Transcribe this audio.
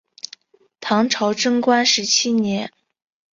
唐朝贞观十七年。